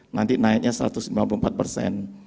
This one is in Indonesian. nanti naiknya satu ratus lima puluh empat persen